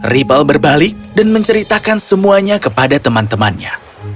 ribal berbalik dan menceritakan semuanya kepada teman temannya